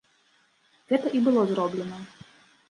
Гэта і было зроблена.